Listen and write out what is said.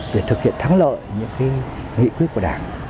để thực hiện thắng lợi những nghị quyết của đảng